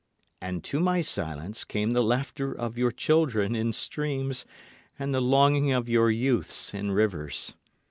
And to my silence came the laughter of your children in streams, and the longing of your youths in rivers.